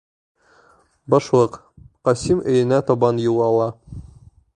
Башлыҡ Ҡасим өйөнә табан юл ала.